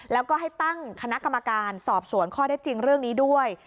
แล้วก็ให้ตั้งคณะกรรมการสอบสวนข้อได้จริงเรื่องนี้ด้วย